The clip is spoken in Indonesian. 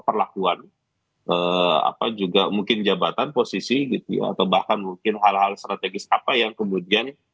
perkembangan kebutuhan mungkin jabatan posisi atau bahkan mungkin hal hal strategis apa yang kemudian